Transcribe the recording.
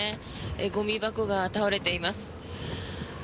ゴミ箱が倒れています。